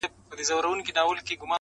ډیري به واورو له منبره ستا د حورو کیسې!!